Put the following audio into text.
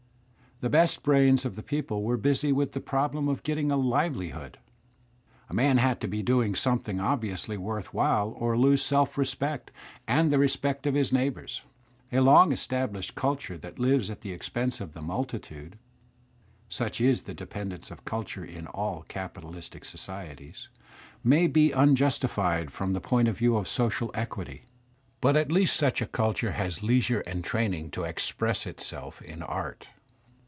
The best brains of the people were busy with the problem of getting a livelihood. A man had to be doing something obviously worth while or lose self respect and the respect of his neighbours. A long established cultiu^ that Uves at the expense of the multitude (such is the dependence of culture in all capitalist societies) may be unjustified from the point of view of social equity; Digitized by Google IRVING 23 but at least such a culture has leisure and traming to express itself in art.